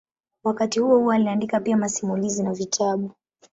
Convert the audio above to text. Wakati huohuo aliandika pia masimulizi na vitabu.